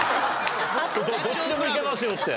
どっちでもいけますよって。